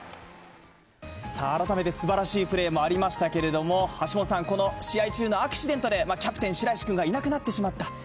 さあ、改めてすばらしいプレーもありましたけれども、橋下さん、この試合中のアクシデントでキャプテン・白石君がいなくなってしまった。